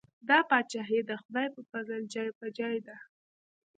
دا پاچاهي د خدای په پزل جای په جای ده.